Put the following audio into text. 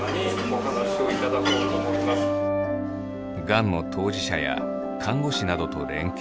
がんの当事者や看護師などと連携。